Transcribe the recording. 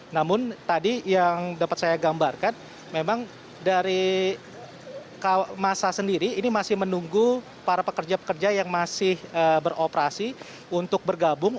namun tadi yang dapat saya gambarkan memang dari masa sendiri ini masih menunggu para pekerja pekerja yang masih beroperasi untuk bergabung